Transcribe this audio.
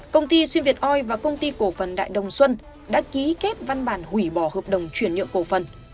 công ty xuyên việt oi và công ty cổ phần đại đồng xuân đã ký kết văn bản hủy bỏ hợp đồng chuyển nhượng cổ phần